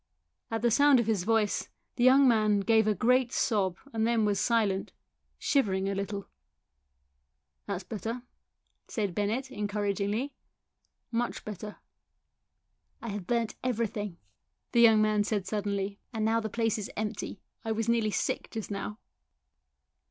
At the sound of his voice the young man gave a great sob and then was silent, shivering a little. "That's better," said Bennett encourag ingly, "much better." " I have burnt everything," the young man 190 THE SOUL OF A POLICEMAN said suddenly, " and now the place is empty. I was nearly sick just now."